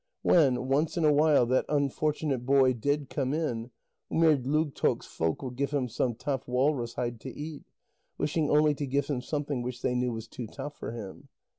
When, once in a while, that unfortunate boy did come in, Umerdlugtoq's folk would give him some tough walrus hide to eat, wishing only to give him something which they knew was too tough for him.